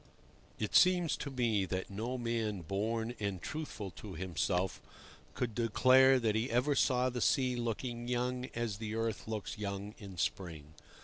IT seems to me that no man born and truthful to himself could declare that he ever saw the sea looking young as the earth looks young in spring.